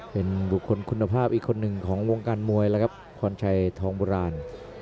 เป็นบุคคลคุณภาพอีกคนหนึ่งของวงการมวยแล้วครับพรชัยทองโบราณ